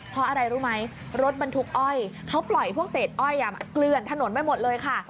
เพราะอะไรรู้ไหมรถบรรทุกอ้อยเขาปล่อยพวกเศษอ้อยเกลือนถนนไปหมดเลยค่ะ